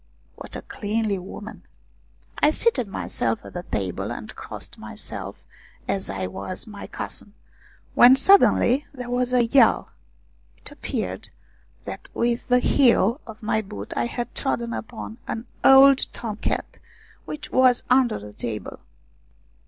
What a cleanly woman ! I seated myself at the table, and crossed myself as was my custom, when suddenly there was a yell. It appeared that with the heel of my boot I had trodden upon an old Tom cat which was under the table.